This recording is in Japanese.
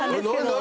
何？